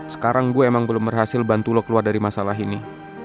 sekarang gue emang belum berhasil bantu lo keluar dari masalah ini